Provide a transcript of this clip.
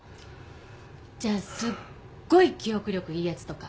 じゃあすっごい記憶力いいヤツとか？